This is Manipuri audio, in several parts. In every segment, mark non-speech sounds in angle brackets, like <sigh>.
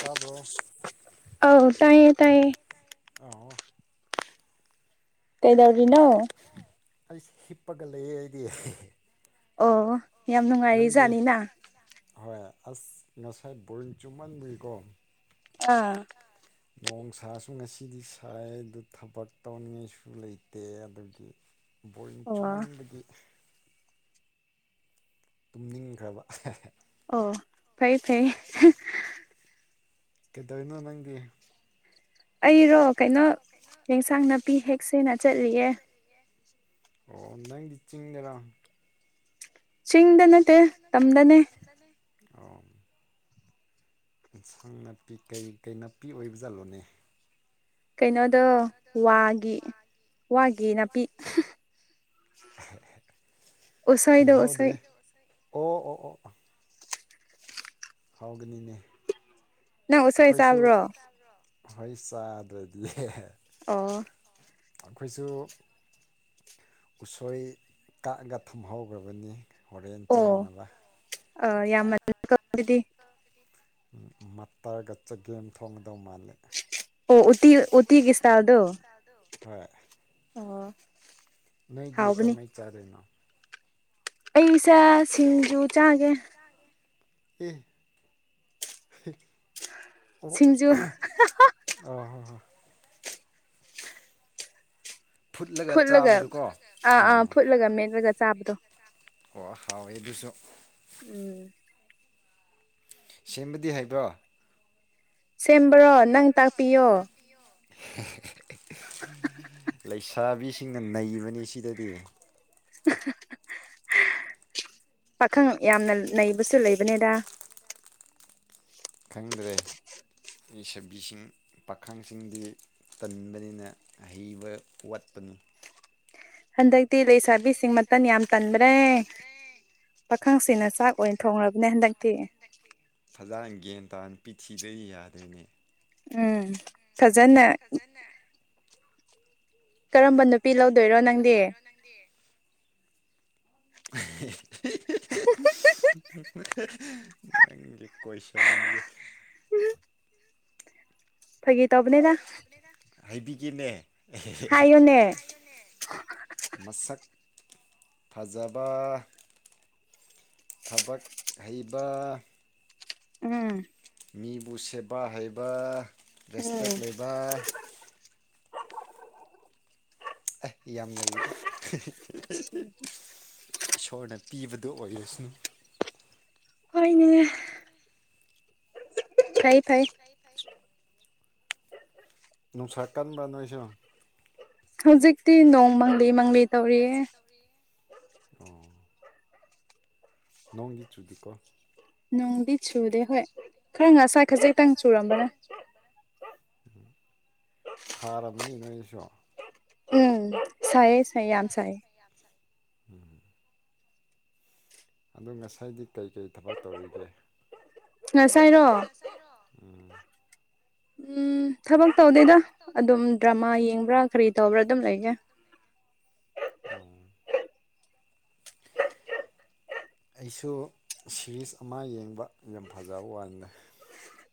ꯇꯥꯕ꯭ꯔꯣ ꯑꯥꯎ ꯇꯥꯏꯌꯦ ꯇꯥꯏꯌꯦ ꯑꯥꯎ ꯀꯩꯗꯧꯔꯤꯅꯣ ꯑꯩꯁ ꯍꯤꯞꯄꯒ ꯂꯩꯌꯦ ꯑꯩꯗꯤ ꯑꯣ ꯌꯥꯝ ꯅꯨꯡꯉꯥꯏꯔꯤ ꯅꯪꯗꯤ ꯖꯥꯠꯅꯤꯅ <unintelligible> ꯍꯣꯏ ꯑꯁ ꯉꯁꯥꯏ ꯕ‌ꯣꯔꯤꯡ ꯆꯨꯝꯃꯟꯕꯒꯤꯀꯣ ꯑꯥ ꯅꯣꯡ ꯁꯥꯥꯁꯨ ꯉꯁꯤꯗꯤ ꯁꯥꯏ ꯑꯗꯨ ꯊꯕꯛ ꯇꯧꯅꯤꯡꯉꯥꯏꯁꯨ ꯂꯩꯇꯦ ꯑꯗꯨꯒꯤ ꯕꯣꯔꯤꯡ ꯑꯣ ꯆꯨꯃꯟꯕꯒꯤ ꯇꯨꯝꯅꯤꯡꯈ꯭ꯔꯕ ꯑꯣ ꯐꯩꯌꯦ ꯐꯩꯌꯦ ꯀꯩꯗꯧꯏꯅꯣ ꯅꯪꯗꯤ ꯑꯩꯔꯣ ꯀꯩꯅꯣ ꯌꯦꯟꯁꯥꯡ ꯅꯥꯄꯤ ꯍꯦꯛ ꯁꯦꯅ ꯆꯠꯂꯤꯌꯦ ꯑꯣ ꯅꯪꯗꯤ ꯆꯤꯡꯗꯔꯥ ꯅꯠꯇꯦ ꯆꯤꯡꯗ ꯅꯠꯇꯦ ꯇꯝꯗꯅꯦ ꯇꯝꯗ ꯂꯩ ꯑꯣ ꯑꯦꯟꯁꯥꯡ ꯅꯥꯄꯤ ꯀꯩ ꯀꯩ ꯅꯥꯄꯤ ꯑꯣꯏꯕ ꯖꯥꯠꯂꯣꯅꯦ ꯀꯩꯅꯣꯗꯣ ꯋꯥꯒꯤ ꯋꯥꯒꯤ ꯅꯥꯄꯤ ꯎꯁꯣꯏꯗꯣ ꯎꯁꯣꯏ ꯈꯪꯍꯧꯗ꯭ꯔꯦ <inaudible> ꯑꯣ ꯑꯣ ꯑꯣ ꯐꯥꯎꯒꯅꯤꯅꯦ ꯅꯪ ꯎꯁꯣꯏ ꯑꯩꯈꯣꯏꯁꯨ ꯆꯥꯕ꯭ꯔꯣ <unintelligible> ꯍ‌ꯣꯏ ꯆꯥꯗ꯭ꯔꯗꯤ ꯑꯣ ꯑꯈꯣꯏꯁꯨ ꯎꯁꯣꯏ ꯀꯥꯛꯑꯒ ꯊꯝꯍꯧꯈ꯭ꯔꯕꯅꯤ ꯍꯣꯔꯦꯟ ꯆꯥꯅꯕ ꯑ‌ꯣ ꯌꯥꯝ <inaudible> ꯀ‌ꯣ ꯗꯨꯗꯤ <unintelligible> ꯎꯝ ꯃꯇꯔꯒ ꯆꯒꯦꯝ ꯊꯣꯡꯒꯗꯧ ꯃꯥꯜꯂꯦ ꯑꯣ ꯎꯇꯤ ꯎꯇꯤꯒꯤ ꯏꯁꯇꯥꯏꯜꯗ‌ꯣ ꯍꯣꯏ ꯑꯣ ꯅꯣꯏꯗꯤ ꯍꯥꯎꯕꯅꯤ ꯀꯃꯥꯏ ꯆꯥꯗꯣꯏꯅꯣ ꯑꯩꯁ‌ꯦ ꯁꯤꯡꯖꯨ ꯆꯥꯒꯦ ꯆꯥꯒ‌ꯦ ꯑꯦ <unintelligible> ꯁꯤꯡꯖꯨ <unintelligible> ꯑꯣ <unintelligible> ꯐꯨꯠꯂꯒ ꯆꯥꯕꯗꯨꯣꯀꯣ ꯑꯥ ꯐꯨꯠꯂꯒ ꯃꯦꯠꯂꯒ ꯆꯥꯕꯗꯣ ꯍ ꯍꯥꯎꯋꯦ ꯑꯗꯨꯁꯨ ꯎꯝ ꯁꯦꯝꯕꯗꯤ ꯍꯩꯕ꯭ꯔꯣ ꯁꯦꯝꯕ꯭ꯔꯣ ꯅꯪ ꯇꯥꯛꯄꯤꯌꯣ ꯂꯩꯁꯥꯕꯤ ꯁꯤꯡꯅ ꯅꯩꯕꯅꯤ ꯁꯤꯗꯗꯤ ꯄꯥꯈꯪ ꯌꯥꯝꯅ ꯅꯩꯕꯁꯨ ꯂꯩꯕꯅꯦꯗ ꯈꯪꯗ꯭ꯔꯦ ꯂꯩꯁꯕꯤꯁꯤꯡ ꯄꯥꯈꯪꯁꯤꯡꯗꯤ ꯇꯟꯕꯅꯤꯅ ꯍꯩꯕ ꯋꯥꯠꯄꯅꯤ ꯍꯟꯗꯛꯇꯤ ꯂꯩꯁꯥꯕꯤꯁꯤꯡ ꯃꯇꯟ ꯌꯥꯝ ꯇꯟꯕꯅꯦ ꯄꯥꯈꯪꯁꯤꯅ ꯆꯥꯛ ꯑꯣꯏꯅ ꯊꯣꯡꯔꯕꯅꯦ ꯍꯟꯗꯛꯇꯤ ꯐꯖꯍꯟꯒꯦ ꯗꯥꯟ ꯅꯨꯄꯤ ꯊꯤꯗ ꯌꯥꯗꯔꯦꯅꯦ ꯑꯥ ꯐꯖꯅ <unintelligible> ꯀꯔꯝꯕꯅꯣ ꯀꯔꯝꯕ ꯅꯨꯄꯤ ꯂꯧꯗꯣꯏꯔꯣ ꯅꯪꯗꯤ <unintelligible> ꯅꯪꯒꯤ ꯀꯣꯏꯁꯟꯁꯦ ꯐꯥꯒꯤ ꯇꯧꯕꯅꯤꯗ ꯐꯒꯤ ꯇꯧꯕꯅꯦꯗ ꯍꯥꯏꯕꯤꯒꯦꯅꯦ ꯍꯥꯏꯌꯨꯅꯦ ꯍꯥꯏꯌꯣ ꯃꯁꯛ ꯐꯖꯕ ꯊꯕꯛ ꯍꯩꯕꯥ ꯎꯝ ꯃꯤꯕꯨ ꯁꯦꯠꯄ ꯍꯩꯕ ꯎꯝ ꯔꯦꯁꯄꯦꯛ ꯂꯩꯕ ꯑꯦ ꯌꯥꯝ ꯂꯩꯗ ꯏꯁꯣꯔꯅ ꯄꯤꯕꯗꯨ ꯑꯣꯏꯔꯁꯅꯨ ꯍꯣꯏꯅꯦ ꯐꯩ ꯐꯩ ꯅꯨꯡꯁꯥ ꯀꯟꯕ ꯅꯣꯏꯁꯨ ꯍꯧꯖꯤꯛꯇꯤ ꯅꯣꯡ ꯃꯪꯂꯤ ꯃꯪꯂꯤ ꯇꯧꯔꯤꯌꯦ ꯑꯣ ꯅꯣꯡꯗꯤ ꯆꯨꯗꯦꯀꯣ ꯅꯅꯨꯡꯗꯤ ꯆꯨꯗꯦ ꯍꯣꯏ ꯈꯔ ꯉꯁ ꯈꯖꯤꯛꯇꯪ ꯆꯨꯔꯝꯕꯅꯦ ꯁꯥꯔꯝꯃꯅꯤ ꯅꯣꯏꯁꯨ ꯎꯝ ꯁꯥꯏꯌꯦ ꯁꯥꯏ ꯌꯥꯝ ꯁꯥꯏꯌꯦ ꯎꯝꯝ ꯑꯗꯨ ꯉꯁꯥꯏꯗꯤ ꯀꯩꯀꯩ ꯊꯕꯛ ꯇꯧꯔꯤꯒꯦ ꯉꯁꯥꯏꯔꯣ ꯇꯥꯏꯔꯣ ꯎꯝ ꯊꯕꯛ ꯇꯧꯗꯦꯗ ꯑꯗꯨꯝ ꯗ꯭ꯔꯃꯥ ꯌꯦꯡꯕ꯭ꯔꯥ ꯀ꯭ꯔꯤ ꯇꯧꯕ꯭ꯔꯥ ꯑꯗꯨꯝ ꯂꯩꯌꯦ ꯑꯣ <unintelligible> ꯑꯩꯁꯨ ꯁꯤꯂꯤꯁ ꯑꯃꯥ ꯌꯦꯡꯕ ꯌꯥꯝ ꯐꯖꯕ ꯋꯥꯅꯦ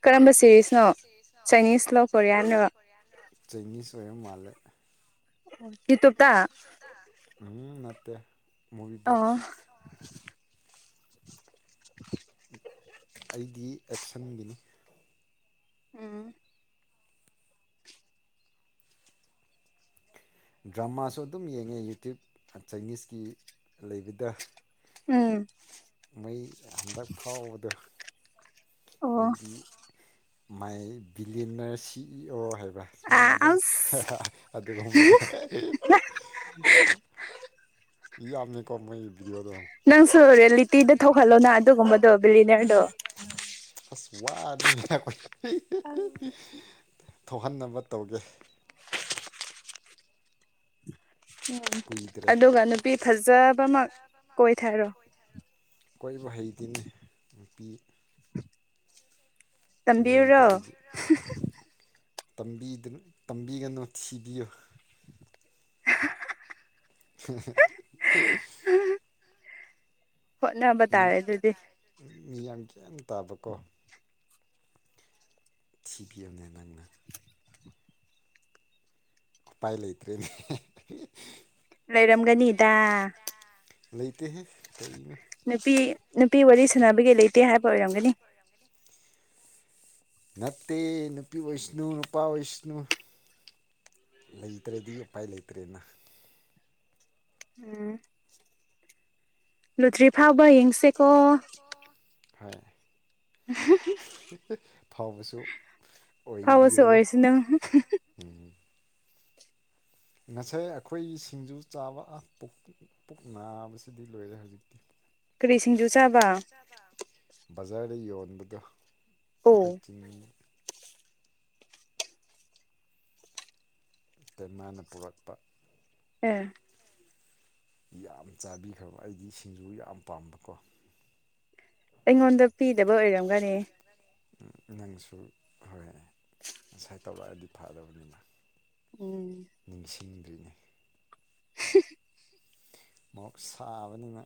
ꯀꯔꯝꯕꯁꯤ ꯝꯕꯦꯔꯤꯁꯅꯣꯅꯤꯁ ꯑꯣꯏꯔ ꯃꯥꯜꯂꯦ ꯌꯨ ꯇꯨꯞꯇ ꯗꯥ ꯍꯨꯝ ꯅꯠꯇꯦ ꯃꯣꯏꯒꯤ ꯑꯣ ꯕꯣꯛꯣꯇ <inaudible> ꯑꯦ ꯑꯩꯗꯤ ꯑꯦꯛꯁꯟꯒꯤꯅꯤ ꯎꯝ ꯗ꯭ꯔꯃꯥꯁꯨ ꯑꯗꯨꯝ ꯌꯦꯡꯉꯦ ꯌꯨꯇ꯭ꯌꯨꯨꯕ ꯆꯥꯏꯅꯤꯁꯀꯤ ꯂꯩꯕꯗꯣ ꯎꯝ ꯃꯩ ꯍꯟꯗꯛ ꯐꯥꯎꯕꯗꯣ ꯑꯣ ꯍꯥꯏꯗꯤ ꯃꯥꯏ ꯕꯤꯂꯤꯟꯅꯔ ꯁꯤ ꯏ ꯑꯣ ꯍꯥꯏꯕ ꯁꯨꯃꯥꯏꯅ ꯑꯗꯨꯝ ꯑꯁ ꯑꯗꯨꯒꯨꯝꯕꯗꯣ ꯌꯥꯝꯅ ꯀꯣ ꯃꯣꯏ ꯚꯤꯗꯤꯑꯣꯗꯣ ꯅꯪꯁꯨ ꯔꯤꯌꯦꯂꯤꯇꯤꯗ ꯊꯣꯛꯍꯜꯂꯣꯅ ꯑꯗꯨꯒꯨꯝꯕꯗꯣ ꯕꯤꯂꯤꯅꯤꯌꯥꯔꯗꯣ ꯑꯁ ꯋꯥꯅꯤ ꯑꯩꯈꯣꯏ ꯊꯣꯛꯍꯟꯅꯕ ꯇꯧꯒꯦ ꯀꯨꯏꯗ꯭ꯔꯦ ꯑꯗꯨꯒ ꯅꯨꯄꯤ ꯑꯗꯨꯒ ꯅꯨꯄꯤ ꯐꯖꯕꯃꯛ ꯐꯖꯕꯃ ꯀꯣꯏꯊꯔꯣ ꯀꯣꯏꯊꯔꯣ ꯀꯣꯏꯕ ꯍꯩꯗꯤꯅꯦ ꯅꯨꯄꯤ ꯇꯝꯕꯤꯔꯣ ꯂꯩꯇꯕꯒꯤ ꯇꯝꯕꯤꯌꯨꯔꯣ ꯇꯝꯕꯗꯅꯨ ꯇꯝꯕꯤꯒꯅꯨ ꯊꯤꯕꯤꯌꯨ <unintelligible> ꯍꯣꯠꯅꯕ ꯃꯤ ꯇꯥꯔꯦ ꯍꯣꯠꯅꯕ ꯑꯗꯨꯗꯤ ꯇꯔꯦ ꯑꯗꯨꯗꯤ ꯃꯤ ꯌꯥꯝ ꯒꯤꯌꯥꯜ ꯊꯕ ꯀꯣ ꯊꯤꯕꯤꯔꯕꯅꯦ ꯅꯪꯅ ꯎꯄꯥꯏ ꯂꯩꯇ꯭ꯔꯦ ꯂꯩꯔꯝꯒꯅꯤ ꯂꯩꯇꯦꯍꯦ ꯀꯩꯅꯣ ꯅꯨꯄꯤ ꯅꯨꯄꯤ ꯋꯥꯔꯤ ꯁꯟꯅꯕꯒꯤ ꯂꯩꯇꯦ ꯍꯥꯏꯕ ꯑꯣꯏꯔꯝꯒꯅꯤ ꯅꯠꯇꯦ ꯅꯨꯄꯤ ꯑꯣꯏꯁꯅꯨ ꯅꯨꯄꯥ ꯑꯣꯏꯁꯅꯨ ꯂꯩꯇ꯭ꯔꯗꯤ ꯎꯄꯥꯏ ꯂꯩꯇ꯭ꯔꯦꯅ ꯎꯝ ꯂꯨꯇ꯭ꯔꯤ ꯐꯥꯎꯕ ꯌꯦꯡꯁꯦꯀꯣ ꯑꯣ ꯍꯥꯏ ꯐꯥꯎꯕꯁꯨ ꯐꯥꯎꯕꯁꯨ ꯑꯣꯏꯕꯤꯌꯨ ꯑꯣꯏꯔꯁꯨ ꯅꯪ ꯎꯝ ꯉꯁꯥꯏ ꯑꯩꯈꯣꯏ ꯁꯤꯡꯖꯨ ꯆꯥꯕ ꯑꯥ ꯄꯨꯛ ꯄꯨꯛ ꯅꯥꯕꯁꯤꯗꯤ ꯂꯣꯏꯔꯦ ꯍꯧꯖꯤꯛꯇꯤ ꯀꯔꯤ ꯁꯤꯡꯖꯨ ꯕꯤꯐ ꯆꯥꯕ ꯁꯤꯡꯖꯨ ꯆꯥꯌ ꯕꯖꯥꯔꯗ ꯌꯣꯟꯕꯗꯣ ꯑꯣ ꯑꯈꯣꯏ ꯆꯤꯡ ꯏꯇꯩ ꯃꯥꯅ ꯄꯨꯔꯛꯄ ꯑꯦ ꯌꯥꯝ ꯆꯥꯕꯤꯈ꯭ꯔꯕ ꯑꯩꯗꯤ ꯁꯤꯡꯖꯨ ꯌꯥꯝ ꯄꯥꯝꯕꯀꯣ ꯑꯩꯉꯣꯟꯗ ꯄꯤꯗꯕ ꯑꯩꯉꯣꯟꯗ ꯐꯤꯗꯕ ꯑꯣꯏꯔꯝꯒꯅꯤ ꯑꯣꯏꯔꯝꯒꯅꯤ ꯅꯪꯁꯨ ꯍꯣꯏ ꯉꯁꯥꯏ ꯇꯧꯔꯛꯑꯗꯤ ꯐꯥꯗꯕꯅꯤꯃ ꯎꯝ ꯅꯤꯡꯁꯤꯡꯗ꯭ꯔꯤꯅꯤ <unintelligible> ꯃꯣꯔꯣꯛ ꯁꯥꯕꯅꯤꯅ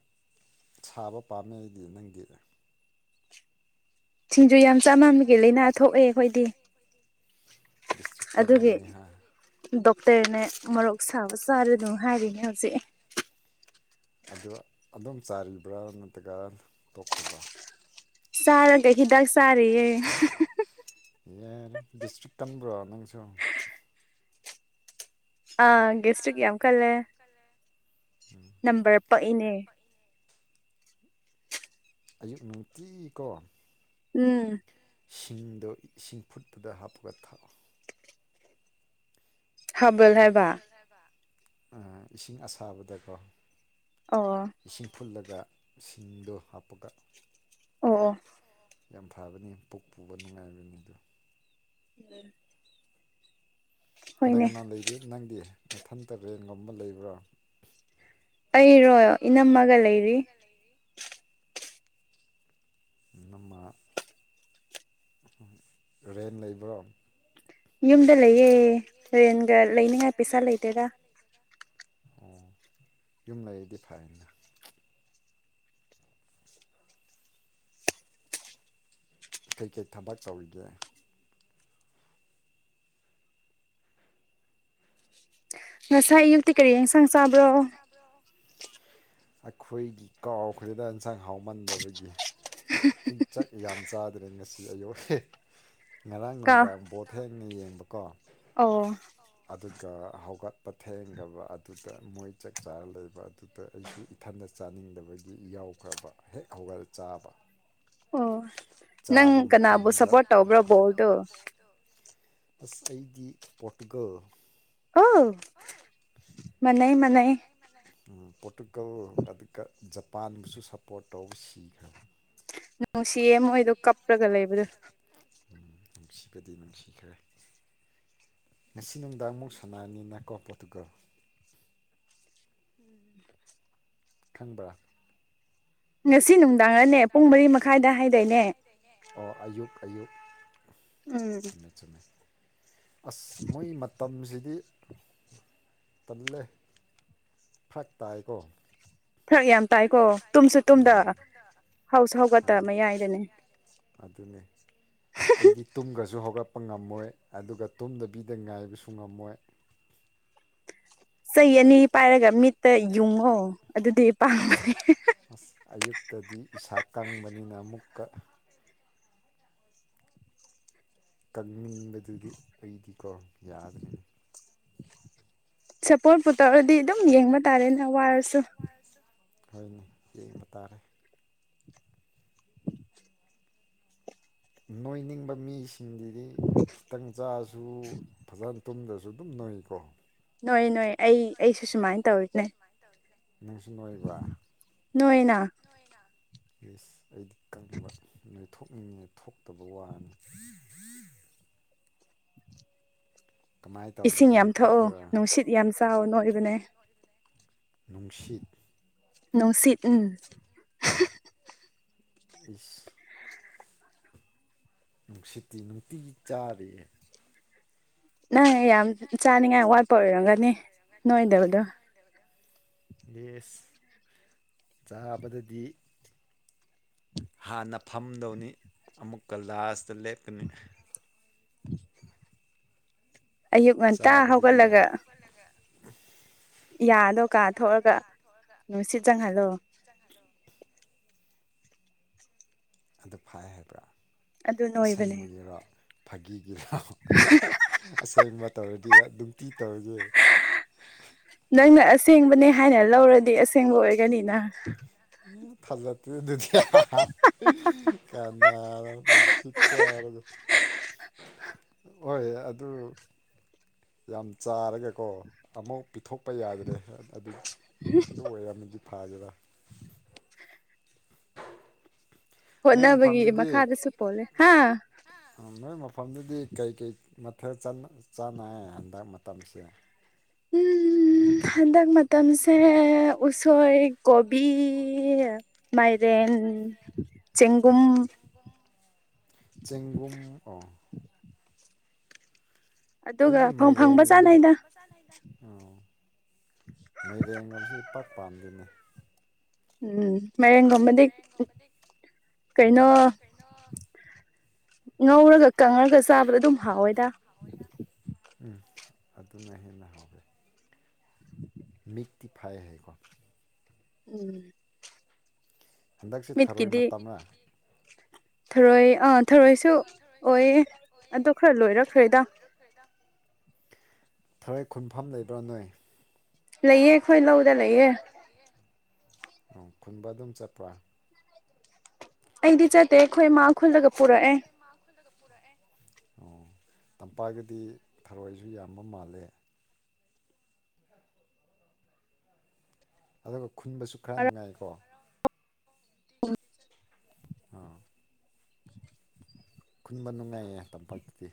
ꯁꯥꯕ ꯄꯥꯝꯃꯦ ꯑꯩꯗꯤ ꯅꯪꯗꯤ ꯁꯤꯡꯖꯨ ꯌꯥꯝ ꯆꯥꯃꯟꯕꯒꯤ ꯂꯩꯥꯅꯥ ꯊꯣꯛꯑꯦ ꯑꯩꯈꯣꯏꯗꯤ ꯗꯤꯁꯇ꯭ꯔꯤꯛ ꯑꯗꯨꯒꯤ ꯀꯂꯝꯅꯤ ꯍꯥꯏ ꯗꯣꯛꯇꯔꯅ ꯃꯔꯣꯛ ꯁꯥꯕ ꯆꯥꯔꯅꯨ ꯍꯥꯏꯔꯤꯅꯦ ꯍꯧꯖꯤꯛ ꯑꯗꯣ ꯑꯗꯨꯝ ꯆꯥꯔꯤꯕ꯭ꯔꯥ ꯅꯠꯇ꯭ꯔꯒ ꯇꯣꯛꯈ꯭ꯔꯕ꯭ꯔꯥ ꯆꯥꯔꯒ ꯍꯤꯗꯥꯛ ꯆꯥꯔꯒ ꯍꯤꯗꯥꯛ ꯆꯥꯔꯤꯌꯦ ꯆꯥꯔꯤꯌꯦ ꯌꯥꯔꯦ ꯗꯤꯁꯇ꯭ꯔꯤꯛ ꯇꯟꯕ꯭ꯔꯣ ꯅꯪꯁꯨ ꯑꯥ ꯗꯤꯁꯇ꯭ꯔꯤꯛ ꯌꯥꯝ ꯀꯜꯂꯦ ꯅꯝꯕꯔ ꯄꯛꯏꯅꯦ ꯑꯌꯨꯛ ꯅꯨꯡꯇꯤ ꯀꯣ ꯎꯝ ꯁꯤꯡꯗꯣ ꯏꯁꯤꯡ ꯐꯨꯠꯄꯗ ꯍꯥꯞꯄꯒ ꯊꯛꯑꯣ ꯍꯥꯔꯕꯦꯜ ꯊꯥꯕꯛ ꯍꯥꯏꯕ ꯍꯥꯏꯕ ꯑꯥ ꯏꯁꯤꯡ ꯑꯁꯥꯕꯗꯀꯣ ꯑꯣ ꯏꯁꯤꯡ ꯐꯨꯜꯂꯒ ꯁꯤꯡꯗꯣ ꯍꯥꯞꯄꯒ ꯑꯣ ꯑꯣ ꯌꯥꯝ ꯐꯕꯅꯤ ꯄꯨꯛ ꯄꯨꯕ ꯅꯨꯡꯉꯥꯏꯕꯅꯤ ꯑꯗꯨ ꯎꯝ ꯀꯅꯥ ꯀꯅꯥ ꯂꯩꯒꯦ ꯅꯪꯗꯤ ꯃꯊꯟꯇ ꯔꯦꯟ ꯉꯝꯃ ꯂꯩꯕ꯭ꯔꯣ ꯑꯩꯔꯣ ꯏꯅꯝꯃꯒ ꯂꯩꯔꯤ ꯅꯃ ꯔꯦꯟ ꯂꯩꯕ꯭ꯔꯣ ꯌꯨꯝꯗ ꯂꯩꯌꯦ ꯔꯦꯟꯒ ꯂꯩꯅꯤꯉꯥꯏ ꯄꯩꯁꯥ ꯂꯩꯇꯦꯗ ꯑꯣ ꯌꯨꯝ ꯂꯩꯗꯤ ꯐꯩꯅ ꯀꯩꯀꯩ ꯊꯕꯛ ꯇꯧꯔꯤꯒꯦ ꯉꯁꯥꯏ ꯑꯌꯨꯛꯇꯤ ꯀꯔꯤ ꯑꯦꯟꯁꯥꯡ ꯆꯥꯕ꯭ꯔꯣ ꯑꯩꯈꯣꯏꯒꯤ ꯀꯥꯎꯈ꯭ꯔꯦꯗ ꯑꯦꯟꯁꯥꯡ ꯍꯥꯎꯃꯟꯗꯕꯒꯤ ꯏꯪꯆꯥꯛ ꯌꯥꯝ ꯆꯥꯗ꯭ꯔꯦ ꯉꯁꯤ ꯑꯌꯧ ꯉꯔꯥꯡ ꯀꯥ ꯅꯨꯡꯗꯥꯡ ꯕꯣꯠ ꯊꯦꯡꯅ ꯌꯦꯡꯕꯀꯣ ꯑꯣ ꯑꯗꯨꯒ ꯍꯧꯒꯠꯄ ꯊꯦꯡꯈ꯭ꯔꯕ ꯑꯗꯨꯗ ꯃꯣꯏ ꯆꯥꯛ ꯆꯥꯔ ꯂꯩꯕ ꯑꯗꯨꯗ ꯑꯩꯁꯨ ꯏꯊꯟꯗ ꯆꯥꯅꯤꯡꯗꯕꯒꯤ ꯌꯥꯎꯈ꯭ꯔꯕ ꯍꯦꯛ ꯍꯧꯒꯠꯂꯒ ꯆꯥꯕ ꯑꯣ ꯆꯥꯕ ꯅꯪ ꯀꯅꯥꯕꯨ ꯃꯇꯝꯗ ꯁꯞꯄꯣꯔꯠ ꯇꯧꯕ꯭ꯔꯣ ꯕꯣꯜꯗꯣ ꯑꯁ ꯑꯩꯗꯤ ꯄꯣꯔꯇꯨꯒꯜ ꯑ ꯃ ꯃꯥ ꯃꯅꯦ ꯄꯣꯔꯇꯨꯒꯜ ꯑꯗꯨꯒ ꯖꯄꯥꯟꯕꯨꯁꯨ ꯁꯞꯄꯣꯔꯠ ꯇꯧꯕ ꯁꯤꯈ꯭ꯔꯕꯅꯤ ꯅꯨꯡꯁꯤꯣꯏꯗꯣ ꯀꯞꯄꯂꯒ ꯂꯩꯕꯗ ꯎꯝ ꯅꯨꯡꯁꯤꯕꯗꯤ ꯅꯨꯡꯁꯤꯈ꯭ꯔꯦ ꯉꯁꯤ ꯅꯨꯡꯗꯥꯡ ꯑꯃꯨꯛ ꯁꯅꯥꯅꯤꯅꯀꯣ ꯄꯣꯔꯇꯨꯒꯜ ꯎꯝ ꯈꯪꯕ꯭ꯔꯥ ꯉꯁꯤ ꯅꯨꯡꯗꯥꯡꯔꯅꯦ ꯄꯨꯡ ꯃꯔꯤ ꯃꯈꯥꯏꯗ ꯍꯥꯏꯗꯣꯏꯅꯦ ꯑꯣ ꯑꯌꯨꯛ ꯑꯌꯨꯛ ꯎꯝ ꯊꯝꯃꯦ ꯊꯝꯃꯦ ꯑꯁ ꯃꯣꯏ ꯃꯇꯝꯁꯤꯗꯤ ꯇꯜꯂꯦ ꯐ꯭ꯔꯛ ꯇꯥꯏꯀꯣ ꯊꯛ ꯌꯥꯝ ꯇꯥꯏꯀꯣ ꯇꯨꯝꯁꯨ ꯇꯨꯝꯗ ꯍꯥꯎꯁꯨ ꯍꯥꯎꯒꯠꯇꯕ ꯃꯌꯥꯏꯗꯅꯦ ꯑꯗꯨꯅꯦ ꯑꯩꯗꯤ ꯇꯨꯝꯒꯁꯨ ꯍꯧꯒꯠꯄ ꯉꯝꯃꯣꯏ ꯑꯗꯨꯒ ꯇꯨꯝꯗꯕꯤꯗ ꯉꯥꯏꯕꯁꯨ ꯉꯝꯃꯣꯏ ꯆꯩ ꯑꯅꯤ ꯆꯩ ꯄꯥꯏꯔꯒ ꯑꯅꯤ ꯃꯤꯠꯇ ꯄꯥꯏꯔꯒ ꯃꯤꯠꯇ ꯌꯨꯡꯉꯣ ꯌꯨꯡꯍꯣ ꯑꯗꯨꯗꯤ ꯄꯥꯝꯕ ꯑꯗꯨ ꯇꯗꯤ ꯏꯁꯥ ꯀꯪꯕꯅꯤꯅ ꯑꯃꯨꯛꯀ ꯀꯪꯅꯤꯡꯕꯗꯨꯗꯤ ꯑꯩꯗꯤꯀꯣ ꯌꯥꯗ꯭ꯔꯤꯅꯤ ꯁꯄꯣꯔꯠ ꯄꯨ ꯇꯧꯔꯗꯤ ꯑꯗꯨꯝ ꯌꯦꯡꯕ ꯇꯥꯔꯦꯅ ꯋꯥꯔꯁꯨ ꯍꯣꯏꯅꯦ ꯌꯦꯡꯕ ꯇꯥꯔꯦ ꯅꯣꯏꯅꯤꯡꯕ ꯃꯤꯁꯤꯡꯁꯤꯗꯤ ꯈꯤꯇꯪ ꯆꯥꯁꯨ ꯐꯖꯅ ꯇꯨꯝꯗꯁꯨ ꯑꯗꯨꯝ ꯅꯣꯏꯩꯀꯣ ꯅꯣꯏ ꯅꯣꯏ ꯑꯩ ꯑꯩꯁꯨ ꯁꯨꯃꯥꯏꯅ ꯇꯧꯔꯤꯅꯦ ꯅꯪꯁꯨ ꯅꯣꯏꯕ꯭ꯔ ꯅꯣꯏꯅ ꯌꯦꯁ ꯑꯩꯗꯤ ꯀꯪꯕ ꯅꯣꯏꯊꯣꯛꯅꯤꯡꯉꯉꯦ ꯊꯣꯛꯇꯕ ꯋꯥꯅꯤ ꯀꯃꯥꯏꯅ ꯇꯧꯔꯗꯤ ꯏꯁꯤꯡ ꯅꯣꯏ ꯌꯥꯝ ꯊꯛꯑꯣ ꯊꯣꯛꯀꯔꯥ ꯅꯨꯡꯁꯤꯠ ꯌꯥꯝ ꯆꯥꯎ ꯅꯣꯏꯕꯅꯦ ꯅꯨꯡꯁꯤꯠ ꯅꯨꯡꯁꯤꯠ ꯎꯝ ꯑꯁ ꯅꯨꯡꯁꯤꯠꯇꯤ ꯅꯨꯡꯇꯤꯒꯤ ꯆꯥꯔꯤꯌꯦ ꯅꯪ ꯌꯥꯝ ꯆꯥꯅꯤꯡꯉꯥꯏ ꯋꯥꯠꯄ ꯑꯣꯏꯔꯝꯒꯅꯤ ꯅꯣꯏꯗꯕꯗꯣ ꯏꯁ ꯆꯥꯕꯗꯗꯤ ꯍꯥꯟꯅ ꯐꯝꯗꯧꯅꯤ ꯑꯃꯨꯛ ꯀꯂꯥꯁꯇ ꯂꯦꯞꯀꯅꯤ ꯑꯌꯨꯛ ꯉꯟꯇꯥ ꯆꯥꯕꯗꯗꯤ ꯍꯧꯒꯠꯂꯒ ꯌꯥꯔꯦ ꯌꯥꯗꯣ ꯀꯥ ꯊꯣꯛꯑꯒ ꯅꯨꯡꯁꯤꯠ ꯆꯪꯍꯜꯂꯣ ꯆꯍꯂꯣ ꯑꯗꯨ ꯐꯥꯏ ꯍꯥꯏꯕ꯭ꯔꯥ ꯑꯗꯨ ꯅꯣꯏꯕꯅꯦ ꯑꯁꯦꯡꯕꯒꯤꯔꯣ ꯐꯥꯒꯤꯒꯤ ꯂꯥꯎ ꯑꯁꯦꯡꯕ ꯇꯧꯔꯗꯤ ꯅꯨꯡꯇꯤ ꯇꯧꯔꯗꯤ ꯅꯪꯅ ꯑꯁꯦꯡꯕꯅꯦ ꯍꯥꯏꯅ ꯂꯧꯔꯗꯤ ꯑꯁꯦꯡꯕ ꯑꯣꯏꯒꯅꯤꯅ ꯃꯨꯊꯜꯂꯦ ꯇꯗꯤ ꯀꯅꯥꯁꯤ ꯆꯔ ꯍꯣꯏ ꯑꯗꯨ ꯌꯥꯝ ꯆꯥꯔꯒꯀꯣ ꯑꯃꯨꯧ ꯄꯤꯊꯣꯛꯄ ꯌꯥꯗ꯭ꯔꯦ ꯑꯗꯨ ꯍꯝ ꯑꯗꯨ ꯑꯣꯏꯔꯝꯃꯗꯤ ꯐꯒꯦꯔ ꯅꯣꯏ ꯍꯣꯠꯅꯕꯒꯤ ꯃꯐꯝꯗꯨꯗꯤ ꯃꯈꯥꯗꯁꯨ ꯄꯣꯜꯂꯦ ꯍꯥ ꯅꯣꯏ ꯃꯐꯝꯗꯨꯗꯤ ꯀꯩꯀꯩ ꯃꯊꯦꯜ ꯆꯥꯅ ꯆꯥꯅꯩ ꯍꯟꯗꯛ ꯃꯇꯝꯁꯦ ꯎꯝ ꯎꯝ ꯍꯟꯒ ꯃ ꯇꯝꯁꯦ ꯎꯁꯣꯏ ꯀꯣꯕꯤ ꯃꯥꯏꯔꯦꯟ ꯆꯦꯡꯒꯨꯝ ꯆꯦꯡꯕꯨꯡ ꯑꯣ ꯑꯗꯨꯒ ꯑꯩꯗꯤ ꯐꯪ ꯐꯪꯕ ꯃꯥꯏꯔꯦꯟꯒꯨꯝꯕꯗꯤ ꯆꯥꯅꯩꯗ ꯑꯣꯎ ꯃꯩꯔꯦꯟꯒꯣꯝꯁꯦ ꯏꯄꯥꯠ ꯄꯥꯝꯗꯦꯅꯦ ꯎꯝ ꯃꯔꯦꯡꯒꯨꯝꯕꯗꯤ ꯀꯩꯅꯣ ꯀꯅꯣ ꯉꯧꯔꯒ ꯀꯪꯉꯒ ꯆꯥꯕꯗ ꯑꯗꯨꯝ ꯍꯥꯎꯋꯦꯗ ꯎꯝ ꯑꯗꯨꯅ ꯍꯦꯟꯅ ꯍꯥꯎꯑꯦ ꯃꯤꯛꯇꯤ ꯐꯥꯏ ꯍꯥꯏꯀꯣ ꯎꯝ ꯍꯟꯗꯛꯁꯤ ꯊꯔꯣꯏ ꯃꯤꯠꯀꯤꯗꯤ ꯃꯇꯝꯅ ꯊꯔꯣꯏ ꯑꯥ ꯊꯔꯣꯏꯁꯨ ꯑꯣꯏꯌꯦ ꯑꯗꯨ ꯈꯔ ꯂꯣꯏꯔꯛꯈ꯭ꯔꯦꯗ ꯊꯔꯣꯏ ꯈꯨꯟꯐꯝ ꯂꯩꯕ꯭ꯔꯥ ꯅꯣꯏ ꯂꯩꯌꯦ ꯑꯩꯈꯣꯏ ꯂꯧꯗ ꯂꯩꯌꯦ ꯈꯣꯏ ꯂꯧꯗ ꯂꯩꯌꯦ ꯑꯣ ꯈꯨꯟꯕ ꯑꯗꯨꯝ ꯆꯠꯄ꯭ꯔꯥ ꯑꯩꯗꯤ ꯆꯠꯇꯦ ꯑꯩꯈꯣꯏ ꯏꯃꯥ ꯈꯨꯜꯂꯒ ꯄꯨꯔꯛꯑꯦ ꯈꯨꯜꯂꯒ ꯄꯨꯔꯛꯑꯦ ꯑꯣ ꯇꯝꯄꯥꯛꯒꯤꯗꯤ ꯊꯔꯣꯏꯁꯨ ꯌꯥꯝꯕ ꯃꯥꯜꯂꯦ ꯑꯗꯨꯒ ꯈꯨꯟꯕꯁꯨ ꯈꯔ ꯅꯨꯡꯉꯥꯏꯀꯣ ꯎꯝ ꯑꯥ ꯈꯨꯟꯕ ꯅꯨꯡꯉꯥꯏꯌꯦ ꯇꯝꯄꯥꯛꯇꯗꯤ